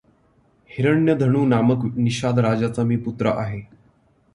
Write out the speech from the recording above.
हिरण्यधनु नामक निषाद राजाचा मी पुत्र आहे.